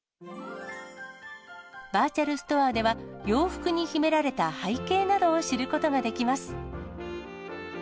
バーチャルストアでは、洋服に秘められた背景などを知ることができます。